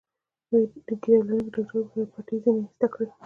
ږیره لرونکي ډاکټر وپوښتل: پټۍ ځینې ایسته کړي؟